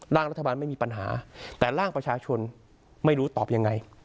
ร่างรัฐบาลไม่มีปัญหาแต่ร่างประชาชนไม่รู้ตอบยังไง